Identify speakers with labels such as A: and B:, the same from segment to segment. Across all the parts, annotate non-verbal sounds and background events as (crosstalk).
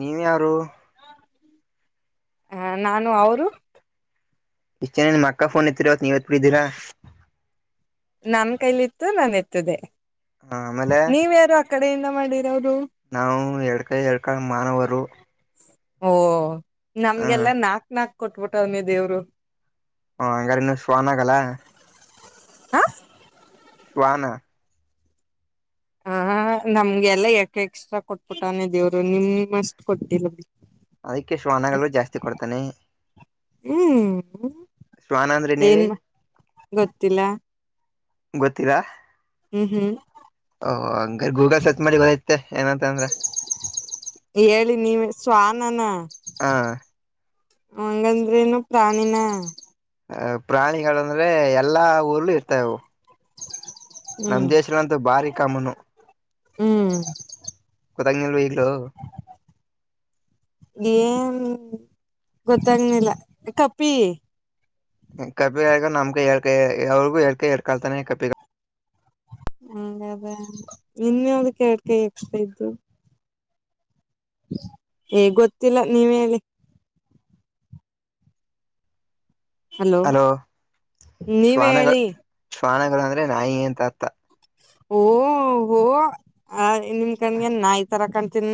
A: ನೀವ ಯಾರು..
B: ಹ ನಾನು ಅವರು..
A: ಇಷ್ಟ ಚೆನನ್ ಮಕ್ಕಾ ಫೋನ್ ಎತ್ತೀರ ನೀವ್ ಎತ್ ಬಿಿದ್ದೀರಾ..
B: ನನ್ ಕೈಲಿ ಇತ್ತು ನನ್ ಎತ್ತದೆ..
A: ಹಾ ಆಮೇಲೆ..
B: ನೀವ್ಯಾರು ಆ ಕಡೆಯಿಂದ ಮಾಡಿ.
A: ನಾವು ಎಡ್ಕ ಎಡ್ಕ ಮಾನವರು..
B: ಓ
A: ಹ
B: ನಮ್ಗೆಲ್ಲಾ ನಾಕ್ ನಾಕ್ ಕೊಟ್ಬಿಟ್ಟವನಿ ದೇವ್ರು..
A: ಹ ಹಂಗಾರ ಇನ್ನು ಶ್ವನ್ ಆಗಲ್ಲ.
B: ಹ.
A: ಶ್ವಾನ
B: ಹ ನಮ್ಗೆಲ್ಲ ಯಾಕೆ ಎಕ್ಸ್ಟ್ರಾ ಕೊಟ್ಬಿಟ್ಟಾನೆ ದೇವ್ರು ನಿಮ ಅಷ್ಟ್ ಕೊಟ್ಟತಿಲ್ಲ ಬಿ
A: ಅದಕ್ಕೆ ಶ್ವಾನಗಳು ಜಾಸ್ತಿ ಕೊಡ್ತಾನೆ
B: ಹ್ಮ್ (unintelligible)
A: ಶ್ವಾನ ಅಂದ್ರೆ ಹೇಳಿ
B: ಏನ್ (inaudible) ಗೊತ್ತಿಲ್ಲ
A: ಗೊತ್ತೀಲ
B: ಹ್ಮ್ ಹ್ಮ್
A: ಓ ಹಂಗ ಗೂಗಲ್ ಸರ್ಚ್ ಮಾಡಿ ಬರತ್ತೆ ಏನಂತ ಅಂದ್ರ
B: ಹೇಳಿ ನೀವ ಸ್ವಾನನಾ
A: ಹ
B: ಹಂಗಂದ್ರೆನು ಪ್ರಾಣಿನ
A: ಅ ಪ್ರಾಣಿಗಳಂದ್ರೆ ಎಲ್ಲಾ ಊರ್ಲ್ಲೂ ಇರ್ತವು ನಮ್
B: ಹ್ಮ್
A: ದೇಶನಂತೂ ಭಾರಿ ಕಾಮನು
B: ಹ್ಮ್
A: (unintelligible)
B: (inaudible) ಏನ ಗೊತ್ತಾಗ್ನಿಲ್ಲ ಕಪಿ
A: ಕಪಿಗಳ ನಮ್ ಹೇಳ್ಕ ಅವ್ರಿಗು ಹೇಳ್ಕ ಹಡ್ ಕಾಳ್ತಾನೆ ಕಪ್ಪಿ
B: ಅ ಅದ ಇನ್ಯಾವುದು ಕೆಡ್ ಕಾಯಿ ಎಕ್ಷ್ಟ್ರಾ ಇದ್ದು ಏ ಗೊತ್ತಿಲ್ಲ ನೀವೆಲ್ಲಿ
A: ಹಲೋ
B: ನೀವೇ
A: ಶ್ವಾನಗಳು
B: ಹೇಳಿ
A: ಶ್ವಾನಗಳಂದ್ರೆ ನಾಯಿ ಎಂತ ಅರ್ಥ
B: ಓ ಹೋ ಆ ನಿಮ ಕಣಗೆ ನಾಯಿ ತರ ಕಾಣ್ತನ್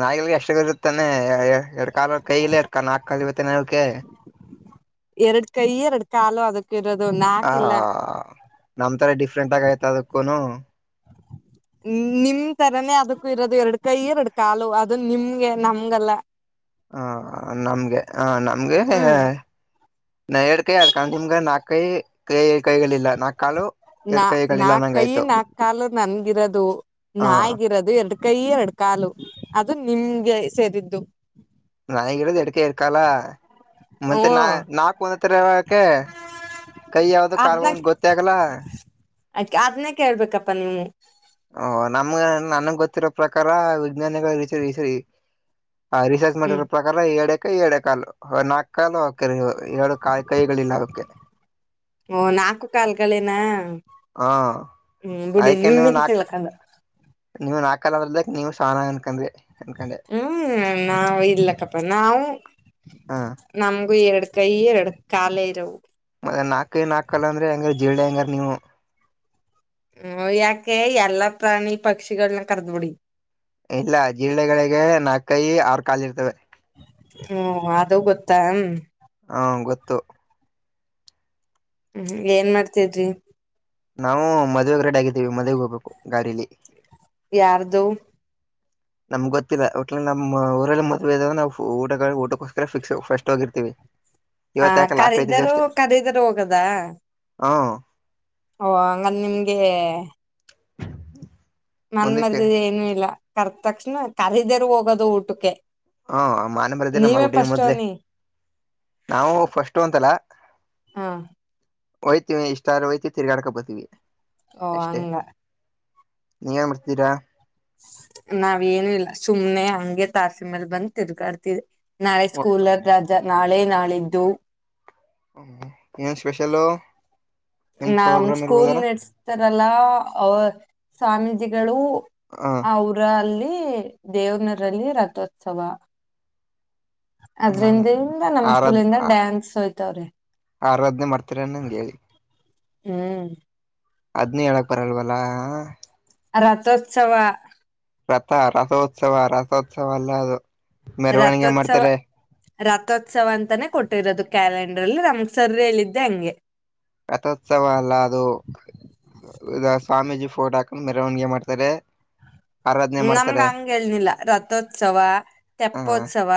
A: ನಾಯಲ್ ಎಷ್ಟಗ ಇತ್ತಾನೆ ಎರಡ್ ಕಾಾಲ ಕೈಲ್ಲ ಎರಡ್ ಕಾ ನಾಲ್ ಕಾಲ್ ಇವತ್ತ ಓಕೆ
B: ಎರಡ್ ಕೈ ಎರಡು ಕಾಲು ಅದಕ್
A: ಹ ನಮ ತರ ಡಿಫ್ರೆಂಟ್ ಆಗ ಆಯ್ತ ಅದಕ್ಕೂನು
B: ಹ ನಿಮ ತರನೆೇ ಅದಕ್ಕೂ ಇರೋದು ಎರಡ್ ಕೈ ಎರಡ್ ಕಾಲು ಅದು ನಿಮ್ಗೆ ನಮ್ಗೆಲ್ಲ
A: ಹಾ ನಮ್ಗೆ ಹ ನಮ್ಗೆ ಹ
B: ಹ್ಮ್
A: ನ ಎರಡ್ ಕೈಿ ಆಡ್ಕೊಂಡು ನಿಮ್ಗ ನಾಕ್ಕೈ ಕೈ ಕೈಗಳಿಲ್ಲಾ ನಾಕ್ ಕಾಲು
B: ನಾ
A: ಎರಡ್
B: ನಾ
A: ಕೈಗಳಿಲ್ಲ ನಂಗ
B: ಕೈ
A: ಆಯ್ತು
B: ನಾಲ್ ಕಾಲು ನನ್ಗಿರೋದು
A: ಹ
B: ನಾಯಗಿರೋದು ಎರಡ್ ಕೈ ಎರಡು ಕಾಲು ಅದು ನಿಮ್ಗೆ ಸೇರಿದ್ದು
A: ನಾಗಿಡದ ಎಡಿಕೆ ಇರ್ಕಲ್ಲ ಮತ್ತೆ ನಾ
B: ಹ್ಮ
A: ನಾಕು ಒಂದತ್ರರ ಯಾವಕೆ ಕೈ ಯಾವ್ದೋ ಕಾರ್ ಗೊತ್ತ ಆಗಲ್ಲ
B: ಆಯ್ೆ ಅದನ ಕೇಳ್ಬೇಕಪ್ಪಾ ನೀವು
A: ಓ ನಮ್ಗೆ ನನ್ಗ್ ಗೊತ್ತಿರೋ ಪ್ರಕಾರ ವಿಜ್ಞಾನಿಗಳುರಿ ಸರಿ ಆ ರಿಸರ್ಚ್
B: ಹ್ಮ್
A: ಮಾಡಿರೋ ಪ್ರಕಾರ ಎಏಡೆಕ ಎಏಡೆ ಕಾಲು ನಾಲ್ಕು ಕಾಲ್ಕ ಏಳ ಕಾಯಿ ಕೈಗಳಿಲ್ಲ ಅದಕ್ಕೆ
B: ಓ ನಾಲ್ಕು ಕಾಲ್ಗಳೇನಾ
A: ಹಾ
B: ಹ್ಮ್ ಬಿಡಿ
A: ಅದಕ್ಕೆನ್ನು
B: ನಿಮ್ಮಿನ್
A: ನಾಕ
B: ತಿಳ್ಕಂದ
A: ನೀವು್ ನಾಕಲ್ ಅದ್ರಲ್ದಕ್ ನೀವು ಶಾನ ಅನ್ಕೊಂಡ್ರಿ
B: ಹ್ಮ್ ನಾವವು ಇಲ್ಲಕ್ಕಪ್ಪ ನಾವು
A: ಹಾ
B: ನಮ ಎರಡು ಕೈ ಎರಡು ಕಾಲ ಇರ
A: ಅದ ನಾಲ್ಕೈ ನಾಲ್ಕಲ್ಲ ಅಂದ್ರೆ ಹೆಂಗಾರ ಜೀಳೆ ಹೆಂಗಾರ ನೀವು
B: ಹ್ಮ ಯಾಕೆ ಎಲ್ಲಾ ಪ್ರಾಣಿ ಪಕ್ಷಿಗಳನ್ನ ಕರ್ದ್ಬಿಡಿ
A: ಇಲ್ಲ ಜೀಳೆಗಳಿಗೆ ನಾಲ್ಕಕೈ ಆರ್ ಕಾಲು ಇರ್ತವೆ
B: ಹ್ಮ ಅದುೂ ಗೊತ್ತಾ ಹ್ಮ
A: ತ್ತು
B: ಹ್ಮ್ ಏನ್ ಮಾಡ್ತಿದ್ರಿ
A: ನಾವು ಮದ್ುವೆೆಗೆ ರೆಡ್ ಆಗಿದ್ದೀವಿ ಮದ್ವೆೆಗೆ ಹೋಗ್ಬೇಕು ಗಾರಲಿ
B: ಯಾರ್ದು
A: ನಮ್ಗ್ ಗೊತ್ತಿಲ್ಲ ಒಟ್ ನಮ್ಮ್ ಊರಲ್ಲಿ ಮದ್ೆ ಇದಾಗ ನಾವು ಊಟ ಊಟಕೋಸ್ಕರ ಫಿಕ್ಸ್ ಫಸ್ಟ್ ಹೋಗಿರ್ತೀವಿ
B: ಹ
A: ಇವತ್ತು ಯಾಕೆ ಲಾಸ್ಟ್ ಹೋಯ್ತಿದೀವಿ
B: ಕಖರೀದರು
A: ಅಷ್ಟೇ
B: ಕಖರೀದರು ಹೋಗದಾ
A: ಹಾ
B: ಓ ಹಂಗನ್ ನಿಮ್ಗೆ ಮನ್
A: ಮುಂದಕ್ಕೆ
B: ಮರ್ದ ಏನು ಇಲ್ಲ ಕರ್ತ ತಕ್ಷಣ ಕರದರು ಹೋಗೋದು ಊಟಕ್ಕೆ
A: ಹಾ ಮಾನೆ ಮರದೇಲ್ಲ ಮರ
B: ನೀವೇ
A: ಟಿ
B: ಫಸ್ಟ್
A: ಮೊದ್ಲೆ
B: ಅನ್ನಿ
A: ನಾವು ಫಸ್ಟ್ ಅಂತಲ್ಲ
B: ಹಾ
A: ಹಯ್ತತಿವಿ ಇಷ್ಟಾರ ಹಯ್ತಿ ತಿರ್ಗಾಡಕ ಬೋತೀವಿ
B: ಓ ಅಂಗ
A: ನೀವ ಏನ್ ಮಾಡರ್ತೀರಾ
B: ನಾವೇಏನು ಇಲ್ಲ ಸುಮ್ನೆ ಹಂಗೆ ತಾಸಿ ಮೇಲ್ ಬಂದ ತಿರ್ಗಾಡ್ತವಿ ನಾಳೆ ಸ್ಕೂಲರ್ ರಾಜ ನಾಳೆ ನಾಳಿದ್ದು
A: ಹ್ಮ ಏನ್ ಸ್ಪೆಷಲ್ಲ
B: ನಮ್ ಸ್ಕೂಲ್ ನಡ್ಸ್ತಾರಲ್ಲ ಎಲ್ಲ ಸ್ವಾಮೀಜಿಗಳು
A: ಹ
B: ಅವರಲ್ಲಿ ದೇವನರಲ್ಲಿ ರಥೋತ್ಸವ
A: ಹ
B: ಅದ್ರಿಂದಿಂದ ನಮ್ ಸ್ಕೂಲಂದ ಡ್ಯಾನ್ಸ್ ಹೋಯ್ತವ್ರಿ
A: ಆರವದ್ನೆೇ ಮಾಡ್ತೀರನ್ನಂಗೆ ಹೇಳಿ
B: ಹ್ಮ್
A: ಅದ್ನ ಹೇಳಕ್ ಬರಲ್ವಲ್ಲ
B: ರಥೋತ್ಸವ
A: ರಥ ರಥೋತ್ಸವ ರಥೋತ್ಸವ ಅಲ್ಲ ಅದು ಮೆರವಣಿಗೆ
B: ರಥೋತ್ಸವ
A: ಮಾಡ್ತಾರೆ
B: ರಥೋತ್ಸವ ಅಂತಾನೆ ಕೊಟ್ಟಿರೋದು ಕ್ಯಾಲೆಂಡರ್ ಅಲ್ಲಿ ನಮಗ್ ಸರ್್ರ ಹೇಳಿದ್ದೆ ಹಂಗೆ
A: ರಥೋತ್ಸವ ಅಲ್ಲ ಅದು ಇದ ಸ್ವಾಮೀಜಿ ಫೋಟೋ ಹಾಕೊಂಡು ಮೆರವಣಿಗೆ ಮಾಡ್ತಾರೆ ಆರಾಧನೆ
B: ನಮ್ಗ
A: ಮಾಡ್ತಾರೆ
B: ಹಂಗ ಹೇಳಿಲ್ಲ ರಥೋತ್ಸವ ತೆಪ್ಪೋತ್ಸವ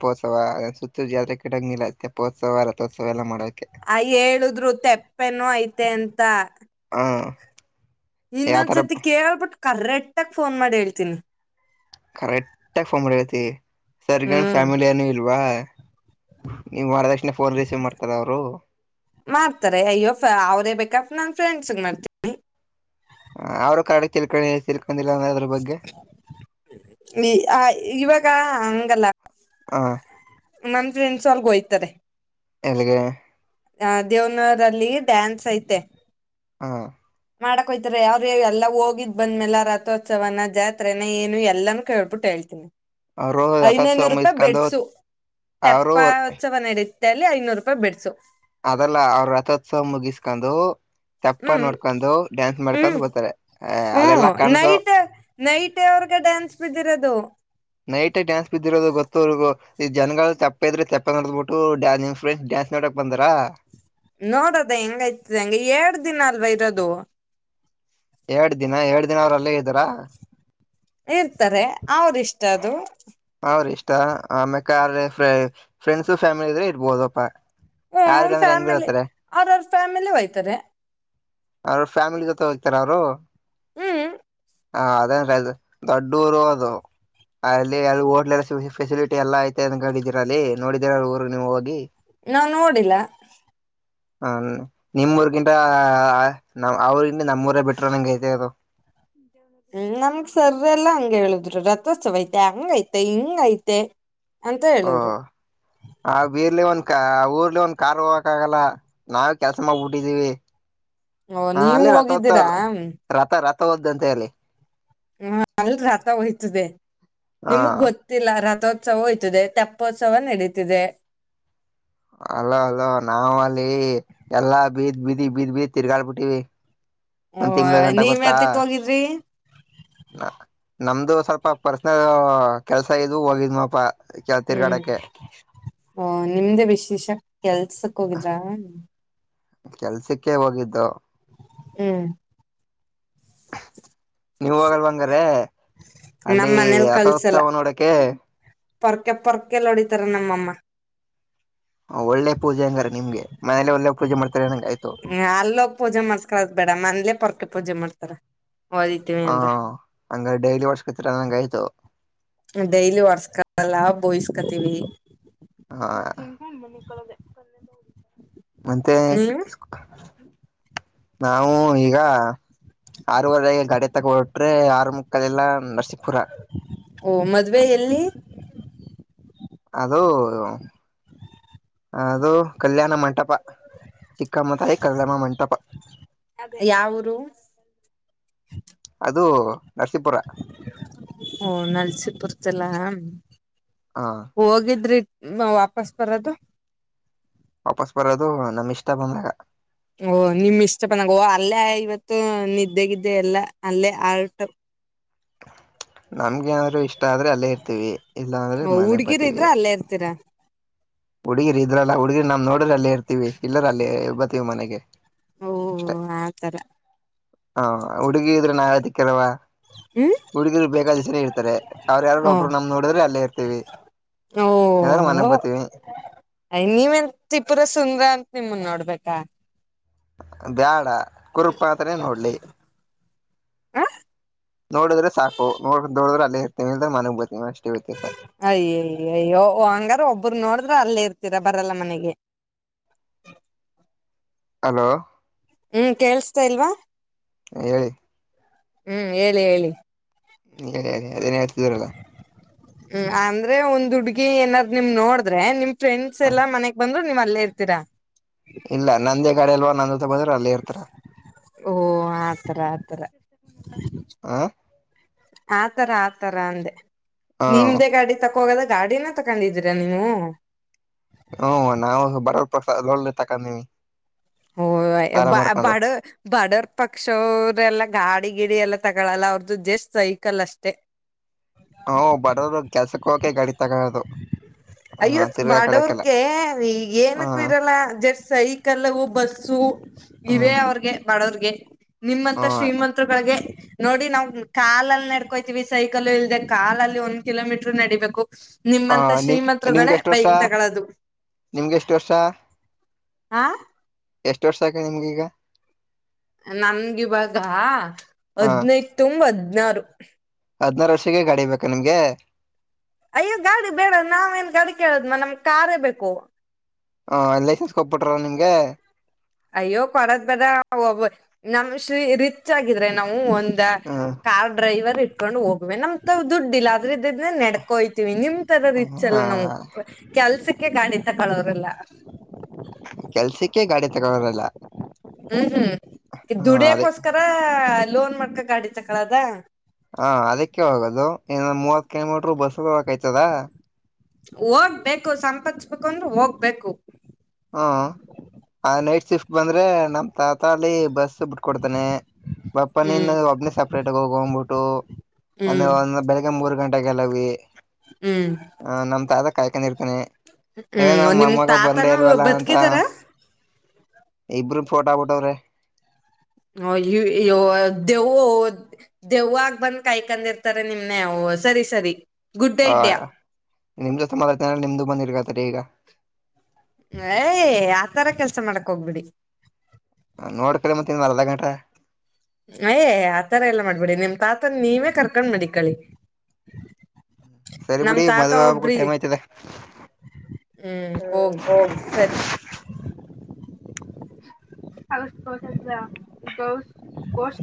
A: ರಥೋತ್ಸವ ಸುತ್ತ ಜಾತ್ರೆ ಕಡಂಗ ತೆಪ್ಪೋತ್ಸವ ರಥೋತ್ಸವ ಎಲ್ಲ ಮಾಡ
B: ಆ ಹೇಳುದ್ರು ತಪ್ಪೆನೋ ಐತೆ ಅಂತ
A: ಹಾ
B: ಇನ್ನೊಂದ್ಸತಿ ಕೇಳ್ಬಿಟ್ ಕರೆಟ್ಗ ಫೋನ್ ಮಾಡಿ ಹೇಳ್ತೀನಿ
A: ಕರೆಕ್ಟ್ ಆಾಗಿ ಫೋನ್ ಮಾಡಿತಿ ಸರಿಗನ್
B: ಹ್ಮ್
A: ಫ್ಯಾಮಿಲಿ ಏನುೂ ಇಲ್ವಾ ನೀವು್ ಮಾಡದಷ್ಟ
B: ಮಾಡ್ತಾರೆ ಅಯ್ಯ ಅವರೇ ಬೇಕಾ ನಾ ಫ್ರೆಂಡ್ಸ್ ಮಾಡ್ತೀನಿ
A: ಹ ಅವ್ರ ಕಾರ್ಡಕ್ಕೆ ತಿಳ್ಕೊಂಡ ತಿಳ್ಕೊಂಡಿಲ್ಲ ಅಂದ್ರ ಅದ್ರ ಬಗ್ಗೆ
B: ನೀ ಇವಾಗ ಹಂಗಲ್ಲ
A: ಹ
B: ನನ್ ಫ್ರೆಂಡ್ಸ್ ಅಲ್ಲಿ ಹೋಗ್ತಾರೆ
A: ಎಲ್ಲಿಗೆ
B: ಆ ದೇವ್ನರಲ್ಲಿ ಡ್ಯಾನ್ಸ್ ಐತೆ
A: ಹಾ
B: ಮಾಡಕ್ ಹೋಗ್ತಾರೆ ಯಾವ್ರ ಯ ಎಲ್ಲಾ ಹೋಗಿದ್ ಬಂದ್ಮ್ಯಲೆ ರಥೋತ್ಸವನ ಜಾತ್ರೆನ ಏನು ಎಲ್ಲಾನೂ ಕೇಳ್ಬಿಟ್ಟು ಹೇಳ್ತೀನಿ
A: ಅವರು ರಥೋತ್ಸವ
B: ಐನೈನೂರು ರೂಪಾಯಿ
A: ಮುಗಿಸ್ಕೊಂಡು
B: ಬೆಡ್ಸು
A: ಅವರು
B: ತಪೋತ್ಸವ ನಡೀ ಐನೂರು ರೂಪಾಯಿ ಬಿಡ್ಸು
A: ಅದಲ್ಲ ಅವ್ರ ರಥೋತ್ಸವ ಮುಗಿಸ್ಕೊಂಡು ತಪ್ಪ
B: ಹ್ಮ್
A: ನೋಡ್ಕೊಂಡು ಡ್ಯಾನ್ಸ್ ಮಾಡ್ಕೊಂಡು
B: ಹ್ಮ್
A: ಬರ್ತಾರೆ ಅ ಅದೆಲ್ಲಾ ಕಾಣಸು
B: ಅವ್ರಿಗೆ ಡ್ಯಾನ್ಸ್ ಬಿದ್ದಿರೋದು
A: ನೈಟ್ ಡ್ಯಾನ್ಸ್ ಬಿದ್ದಿರೋದು ಗೊತ್ತೋ್ರಗೂ ಈ ಜನ್ಗಳು ತಪ್ಪ ಇದ್ರೆ ತಪ್ಪ ನೋಡಬಿಟ್ಟು ಡನ್್ ಫ್ರೆಂಡ್ಸ್ ಡ್ಯಾನ್ಸ್ ನೋಡಕ್ ಬಂದಾರ
B: ನೋಡದ ಹೆಂಗೈ್ತದ ಹೆಂಗಗೆ ಎರಡ್ ದಿನ ಅಲ್ವಾ ಇರೋದು
A: ಎರಡು ದಿನ ಎರಡು ದಿನ ಅವ್ರಲ್ಲೇ ಇದ್ದಾರಾ
B: ಇರ್ತಾರೆ ಅವರಿಷ್ಟ ಅದು
A: ಮ ಆಮೇ ಕ ಫ್ರೆಂಡ್ಸ್ ಫ್ಯಾಮಿಲಿ ಇದ್ರೆ ಇರ್ಬೋದಪ್ಪಾ
B: ಹ್ಮ
A: ಯಾರಿಲ್ಲ ಅಂದ್ರೆ ಹೆಂಗ
B: ಫ್ಯಾಮಿಲಿ
A: ಇರ್ತಾರೆ
B: ಅವ್ರ ಅವ್ರ ಫ್ಯಾಮಿಲಿ ಹೋಯ್ತಾರೆ..
A: ಅವ್ರ ಫ್ಯಾಮಿಲಿ ಜೊತೆ ಹೋಗ್ತಾರ ಅವರು
B: ಹ್ಮ್
A: ಹ ಅದೇನ್ ರ ದೊಡ್ಡೂರು ಅದು ಅಲ್ಲಿ ಅ ಹೋಟ್ಲ್ ಎ ಫೆಸಿಲಿಟಿ ಎಲ್ಲಾ ಐತೆ ಅಿದ್ದೀರ ಅಲ್ಲಿ ನೋಡಿದೀರ ಊರ್ ನೀವು ಹೋಗಿ
B: ನಾವು ನೋಡಿಲ್ಲ
A: ಹ ನಿಮ್ಮೂರಿಗಿಂತ ನ ಅವ್ರಗಿಂತ ನಮ್ಮೂರ ಬಿಟ್ರ ನಂಗಗೆ ಗೈತೆ ಅದು
B: ಹಮ್ ಹ್ಮ್ ನಮಗ್ ಸರ್ ಎಲ್ಲಾ ಹಂಗ ಹೇಳುದ್ರು ರಥೋತ್ಸವ ಐತೆ ಹಂಗೈತೆ ಹಿಂಗ ಐತೆ ಅಂತ
A: ಓ
B: ಹೇಳಿದ್ರು
A: ಆ ಬೀರ್ಲಿ ಒಂದ ಕ ಆ ಊರ್ಲಿ ಒಂದ್ ಕಾರ್ ಹೋಗಕ ಆಗಲ್ಲ ನಾವೇ ಕೆಲ್ಸ ಮಾಡಗ್ಬಿಟ್ಟಿದ್ದೀವಿ
B: ಓ
A: ಹ
B: ನೀವು
A: ಅಲ್ಲಿೇ ರಥೋತ್ಸವ
B: ಹೋಗಿದ್ದೀರಾ ಹ್ಮ
A: ರಥ ರಥ ಹೋದಂತೆ ಅಲ್ಲಿ
B: ಹ ಅಲ್ ರಥ ಹಯ್ತದೆ ನಿಮಗ್
A: ಹ
B: ಗೊತ್ತಿಲ್ಲ ರಥ ಉತ್ಸವ ಹೋಯ್ತದೆ ತಪ್ಪೋತ್ಸವ ನಡೀತಿದೆ
A: ಅಲೋ ಅಲೋ ನಾವ ಅಲ್ಲಿ ಎಲ್ಲಾ ಬೀದ್ ಬೀದಿ ಬೀದ್ ಬೀದ್ ತಿರ್ಗಾಡ್ ಬಿಟ್ಟಿವಿ
B: ಓ
A: ಒಂದ್ ತಿಂಗಳ ಗಂಟ
B: ನೀವ್
A: ಗೊತ್ತಾ
B: ಯಾತಕ್ ಹೋಗಿದ್ರಿ
A: ನಮ್ದು ಸ್ವಲ್ಪ ಪರ್ಸನಲ್ ಕೆಲ್ಸ ಇದು ಹೋಗಿದ್ ನಪ್ಪ ಚಳ್ತ್ತೀರ್
B: ಹ್ಮ್
A: ಕಾಡಕ್ಕೆೆ
B: ಓ ನಿಮ್ದೇ ವಿಶೇಷ ಕೆಲ್ಸಕ್ ಹೋಗಿದ್ರಾ
A: ಕೆಲ್ಸಕ್ಕೆ ಹೋಗಿದ್ದು
B: ಹ್ಮ
A: ನೀವ ಹೋಗಲ್ವಾಂಗ್ರ
B: ನಮ್
A: ಅಲ್ಲಿ ಅಥೋತ್ಸವ ನೋಡಕೆ
B: ಪೊರಕ ಪೊರಕಲ್ಲ ಹೊಡಿತಾರೆ ನಮ್ಮಮ್ಮ
A: ಒಳ್ಳೆ ಪೂಜೆ ಹಂಗಾರ ನಿಮ್ಗೆ ಮನೇಲೆ ಒಳ್ಳೆ ಪೂಜೆ ಮಾಡ್ತಾರೆ ನಂಗ ಆಯ್ತು
B: ಹ ಅಲ್ಲೋಗ ಪೂಜೆ ಮಾಡ್ಸ್ಕರದ್ ಬೇಡಮ ಅಂದಲೇ ಪರ್ಕ ಪೂಜೆ ಮಾಡ್ತಾರ ಹೊಡಿತೀವಿ
A: ಹ
B: ಅಂದ್ರ
A: ಹಂಗ ಡೈಲಿ ವರ್ಷಕತ್ತರ ನಂಗ ಆಯ್ತು
B: ಡೈಲಿ ಒರ್ಸ್ಕಲ್ಲ ಬೋಯಸ್ಕತೀವಿ
A: ಹಾ ಮ
B: ನೀವು
A: ನಾವು ಈಗ ಆರವರೆಗೆ ಗಡೆ ತಗೊಂಡ ಹೊಟ್ರೆ ಆರು ಮುಕ್ಕಾಲ ಎಲ್ಲಾ ನರ್ಸ
B: ಓ ಮದ್ವೆ ಎಲ್ಲಿ
A: ಅದು ಅದು ಕಲ್ಯಾಣ ಮಂಟಪ ಚಿಕ್ಕಮ್ಮ ತಾಯಿ ಕಲ್ಲ್ಲಮ್ಮ ಮಂಟಪ
B: ಹಂತ
A: ಅದು ನರಸೀಪುರ
B: ಓ ನಲ್ಸಿಪುರತಲ್ಲ
A: ಹ
B: ಹೋಗಿದ್ರಿ ವಾಪಸ್ ಬರೋದು
A: ವಾಪಸ್ ಬರೋದು ನಮ್ ಇಷ್ಟ ಬಂದಾಗ
B: ಓ ನಿಮ್ ಇಷ್ಟಪನಾಗ ಓ ಅಲ್ಲೇ ಇವತ್ತು ನಿದ್ದೇಗಿದ್ದೆ ಎಲ್ಲಾ ಅಲ್ಲೇ ಆರ್ಟ
A: ನಮ್ಗೆಾದ್ರು ಇಷ್ಟ ಆದ್ರೆ ಅಲ್ಲೇ ಇರ್ತೀವಿ ಇಲ್ಲಾ ಅಂದ್ರೆ ಮನೆಗ್
B: ಹುಡ್ಗಿರ್
A: ಬರ್ತೀವಿ
B: ಇದ್ರ ಅಲ್ಲೇ ಇರ್ತೀರಾ
A: ಹುಡ್ಗಿರಿ ಇದ್ರಲ್ಲಾ ಹುಡ್ಗಿರಿ ನಾವ್ ನೋಡ್ರಲ್ಲೇ ಇರ್ತೀವಿ ಇಲ್ಲರಲ್ಲಿ ಬತೀವಿ ಮನೆಗೆ
B: ಓ
A: ಅಷ್ಟೇ
B: ಆತರ
A: ಹ ಹುಡುಗಿ ಇದ್ರೆ ನಾವದಿಕ್ಕೆಲ್ವಾ
B: ಹ್ಮ್
A: ಹುಡುಗರು ಬೇಕಾದಸರ ಇರ್ತಾರೆ ಅವರು ಯಾರ
B: ಹ
A: ಒಬ್ರು ನಮ್ ನೋಡಿದ್ರೆ ಅಲ್ಲೇ ಇರ್ತೀವಿ ಯಾರು ಮನೆ ಬತೀವಿ
B: ಅಯ್ ನೀವೆನ್ ತ್ರಿಪುರ ಸುಂದ್ರ ಅಂತ ನಿಮಂದ್ ನೋಡ್ಬೇಕಾ
A: ಬ್ಯಾಡ ಕುರುಪಾತ್ರ ನೋಡ್ಲಿ
B: ಹ
A: ನೋಡಿದ್ರೆ ಸಾಕು ನೋ ನೋಡ್ರೆ ಅಲ್ಲಿ ಇರ್ತಿಲ್ದ್ರ ಮನಗ್ ಬರ್ತೀವಿ ಅಷ್ಟೆ
B: ಅಯ್ಯಯ್ಯ ಅಯ್ಯೋ ಹಂಗಾರ ಒಬ್ಬರು ನೋಡಿದ್ರ ಅಲ್ಲಿ ಇರ್ತ ೀರ ಬರಲ್ಲ ಮನೆಗೆ
A: ಹಲೋ
B: ಹ್ಮ್ ಕೇೇಳಸ್ತಾ ಇಲ್ವಾ
A: ಹೇಳಿ
B: ಹ್ಮ್ ಹೇಳಿ ಹೇಳಿ
A: ಹೇಳಿ ಹೇಳಿ ಅದೇನ್ ಹೇಳ್ತಿದೀರಲ್ಲ
B: ಹ್ಮ ಅಂದ್ರೆ ಒಂದು ಹುಡುಿ ಏನಾದ್ ನಿಮ ನೋಡ್ರೆ ನಿಮ್ ಫ್ರೆಂಡ್ಸ್ ಎಲ್ಲ ಮನೆಗ್ ಬಂದ್ರು ನೀವ್ ಅಲ್ಲೇ ಇರ್ತೀರ
A: ಇಲ್ಲ ನಂದೇ ಕಡಲ್ ನೊ ಬ್ರ ಅಲ್ಲ ಇರ್ತಾರ
B: ಓ ಆತರ ಆತರ
A: ಆ
B: ಆತರ ಆತರ ಅಂದೆ
A: ಹ
B: ನಿಮ್ದೆ ಗಾಡಿ ತಕ್ಕ ಹೋಗದ ಗಾಡಿನ ತಕೊಂಡಿದ್ದೀರಾ ನೀವು
A: ಹ್ಮ ನಾವು ಬರೋ ಪ್ರ ತಕಂದೀವಿ
B: ಹಓ ಬ ಬಡ ಬಡರ್ ಪಕ್ಷವರೆಲ್ಲಾ ಗಾಡಿ ಗಿಡ ಎಲ್ಲ ತಗೊಳಲ್ಲ ಅವ್ರದ್ದು ಜಸ್ಟ್ ಸ್ಯೆಕಲ್ ಅಷ್ಟೆ
A: ಹ ಬರೋರು ಕೆಲಸಕ್ಕೆ ಹೋಗಕೆ ಗಾಡಿ ತಗೊಳೋದು
B: ಅಯ್ಯೋ ಬಾಡೋರ್ಕ ಈ
A: ಹ
B: ಏನಕ್ಕೂ ಇರಲ್ಲ ಜಸ್ಟ್ ಸೈಕಲ್ಲ ಬಸ್ಸು
A: ಹ
B: ಇವೇ ಅವ್ರಗೆ ಬಡವರ್ಿಗೆ
A: ಹ
B: ನಿಮ್ಮಂತ ಶ್ರೀಮಂತರುಗಳಿಗೆ ನೋಡಿ ನಾವ್ ಕಾಲಲ್ಲಿ ನಡ್ಕೋತೀವಿ ಸೈಕಲ್ ಇಲ್ದೆ ಕಾಲಲ್ಲಿ ಒಂದ್ ಕಿಲೋಮೀಟರ್ ನಡಬೇಕು
A: ಹ
B: ನಿಮ್ಮಂತ
A: ನಿಮ್
B: ಶ್ರೀಮಂತರುಗಳೇ
A: ನಿಮ್ಗೆ ಎಷ್ಟು ವರ್ಷ
B: ಬೈಕ್ ತಗಳದು
A: ನಿಮ್ಗೆ ಎಷ್ಟು ವರ್ಷ
B: ಆ
A: ಎಷ್ಟು ವರ್ಷ ಆಾಕಿ ನಿಮ್ಗೀಗ
B: ನಮಗ ಇವಾಗ
A: ಹ
B: ಹದ್ನೈದು ತುಂಬ ಹದ್ನಾರು
A: ಹದ್ನಾರು ವರ್ಷಗೆ ಗಾಡಿ ಬೇಕಾ ನಿಮ್ಗೆ
B: ಅಯ್ಯೋ ಗಾಡಿ ಬೇಡ ನಾವ್ೇಏನ್ ಗಾಡಿ ಕೇಳದ್ಮ ನಮ್ ಕಾರೇ ಬೇಕು
A: ಹಾ ಲೈಸೆನ್ಸ್ ಕೊಬಿಟ್ರ ನಿಂಗೆ
B: ಅಯ್ಯೋ ಕೊಡದ್ ಬೇಡ ಒಬ್ಬ ನಮ ಶ್ರೀ ರಿಚ್ ಆಗಿದ್ರೆ ನಾವು ಒಂದ
A: ಹ್ಮ
B: ಕಾರ್ ಡ್ರೈವರ್ ಇಟ್ಕೊಂಡು ಹೋಗ್ವೆ ನಮ್ ತ ದುಡ್ಡಿಲ್ಲ ಆದ್ರೆ ಇದ ಇದ ನಡ್ಕೋಯ್ತಿೀವಿ ನಿಮ ತರ ರಿಚ್ ಅಲ್ಲ ನಮ್
A: ಹ
B: ಕೆಲ್ಸಕ್ಕೆ ಕಂಡಿತ ಕಳೋ್ರಲ್ಲ
A: ಕೆಲ್ಸಕ್ಕೆ ಗಾಡಿ ತಗರಲ್ಲ
B: ಹ್ಮ್ ಹ್ಮ್
A: ಅದೇ
B: ದುಡಿಯಕೋಸ್ಕರ ಲೋನ್ ಮಡ್ಸಿ ಗಾಡಿ ತಕ್ಕಳದ
A: ಹಾ ಅದಕ್ಕೆ ಹೋಗೋದು ಏನ್ನ ಮೂವತ್ ಕಿಲೋಮೀಟರ್ ಬಸ್ ನಲ್ಲಿ ಹೋಗೋಕಾಗುತ್ತಾ
B: ಹೋಗ್ಬೇಕು ಸಂಪಾದಿಸಬೇಕು ಅಂದ್ರೆ ಹೋಗ್ಬೇಕು
A: ಹ್ಮ ಆ ನೈಟ್ ಶಿಫ್ಟ್ ಬಂದ್ರೆ ನಮ್ ತಾತಾಳಿ ಬಸ್ ಬಿಟ್ಕೊಡ್ ಬಪ್ಪನ
B: ಹ್ಮ್
A: ಇನ್ನು ಒಬ್ಬನಿ ಸಪ್ರೇಟ್ ಆಗ ಹೋಗ್ಬಿಟ್ಟು
B: ಹ್ಮ್
A: ಅಂದ್ರೆ ಒಂದ ಬೆಳಿಗ್ಗೆ ಮೂರ್ ಗಂಟೆಾಗಲ್ಲಿ
B: ಹ್ಮ್
A: ಆ ನಮ ತಾದ ಕಾಯಕೊಂಡರ್ತನೆ
B: ಹ್ಮ್ ನಿಮ್ ತಾತನ ಬತಕಿದಾರ
A: ಇಬ್ಬರು ಫೋಟೋಫೋಟೋ ಅವರ
B: ಹ ದೆವು ದೆವ್ವಾಗ ಬಂದ ಕಾಯ್ಕೊಂಡಿರ್ತಾರೆ ನಿಮ್ನೆ ಸರಿ ಸರಿ ಗುಡ್
A: ಹಾ
B: ಐಡಿಯಾ
A: ನಿಮ್ದಸ ಮಾಡತ ನಿಮ್ದು ಬಂದಿರ್ಕತರಿ ಈಗ
B: ಯ ಆತರ ಕೆಲ್ಸ ಮಾಡಕ್ ಹೋಗ್ಬಿಡಿ
A: ನೋಡ್ಕ್ರ ಮತ್ತೆ ಇ ಅರ್ಧ ಗಂಟಾ
B: ಅಯ ಆತರ ಎಲ್ಲಾ ಮಾಡ್ಬೇಡಿ ನಿಮ್ ತಾತ ನೀವೇ ಕರ್ಕೊಂಡ್ ಮಾಡಿ ಕಳಿ
A: ್ಮ ಸರಿ ಬಿುಡಿ ಮದ್ುವವೆ ಹಕ್ಕು ಟೈಮ್ ಆಯ್ತದೆ
B: ಹ್ಮ್ ಹೋಗಿ
A: ಹ್ಮ ಹೌ
B: ಸರಿ
A: ಆಗಸ್ಟ್ ಕಸ್